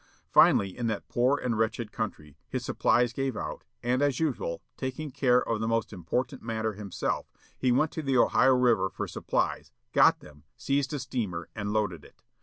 Finally, in that poor and wretched country, his supplies gave out, and, as usual, taking care of the most important matter himself, he went to the Ohio River for supplies, got them, seized a steamer, and loaded it.